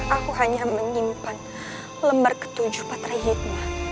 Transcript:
aku hanya menyimpan lembar ke tujuh patraikma